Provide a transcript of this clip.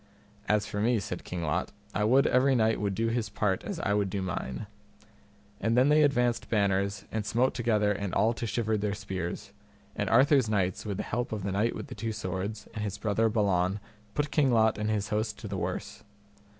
As for me, said King Lot, I would every knight would do his part as I would do mine. And then they advanced banners and smote together and all to shivered their spears; and Arthur's knights, with the help of the Knight with the Two Swords and his brother Balan put King Lot and his host to the worse.